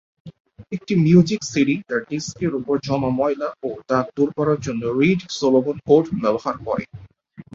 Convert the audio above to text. একটি music CD তার ডিস্কের উপর জমা ময়লা ও দাগ দূর করার জন্য রীড-সলোমন কোড ব্যবহার করে।